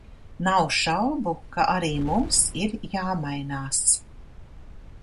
Nav šaubu, ka arī mums ir jāmainās.